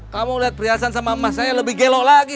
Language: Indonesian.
kamu lihat perhiasan sama mas saya lebih gelo lagi